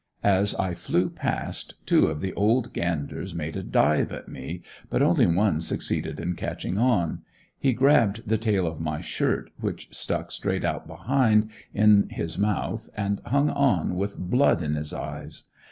As I flew past, two of the old ganders made a dive at me, but only one succeeded in catching on; he grabbed the tail of my shirt, which stuck straight out behind, in his mouth and hung on with blood in his eyes.